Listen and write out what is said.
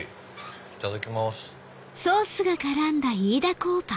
いただきます。